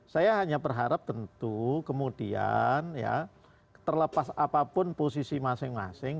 saya hanya berharap tentu kemudian ya terlepas apapun posisi masing masing